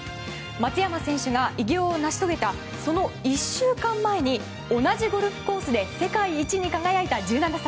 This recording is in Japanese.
松山選手が偉業を成し遂げたその１週間前に同じゴルフコースで世界一に輝いた１７歳。